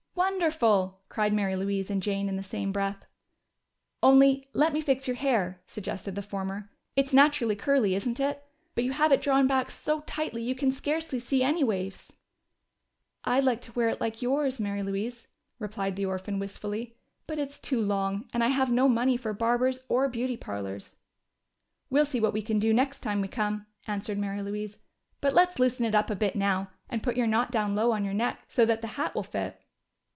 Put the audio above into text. "Wonderful!" cried Mary Louise and Jane in the same breath. "Only let me fix your hair," suggested the former. "It's naturally curly, isn't it? But you have it drawn back so tightly you can scarcely see any wave." "I'd like to wear it like yours, Mary Louise," replied the orphan wistfully. "But it's too long, and I have no money for barbers or beauty parlors." "We'll see what we can do next time we come," answered Mary Louise. "But let's loosen it up a bit now and put your knot down low on your neck so that the hat will fit."